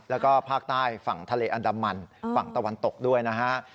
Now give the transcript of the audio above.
แล้วก็ภาคใต้ฝั่งทะเลอันดามันฝั่งตะวันตกด้วยนะฮะ